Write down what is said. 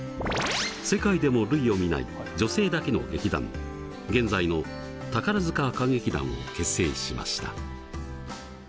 世界でも類を見ない女性だけの劇団現在の宝塚歌劇団を結成しました。